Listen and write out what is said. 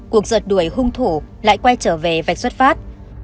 cuộc giật đuổi hung thủ lại quay trở về vạch xuất phát